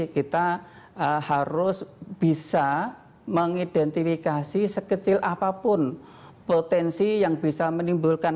kita harus bisa mengidentifikasi sekecil apapun potensi yang bisa menimbulkan